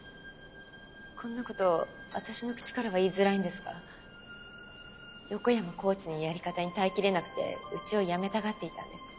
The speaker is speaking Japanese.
こんな事私の口からは言いづらいんですが横山コーチのやり方に耐えきれなくてうちを辞めたがっていたんです。